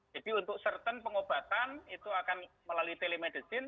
jadi untuk certain pengobatan itu akan melalui telemedicine